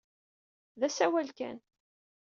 D asawal kan.